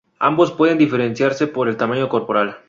Ambos pueden diferenciarse por el tamaño corporal.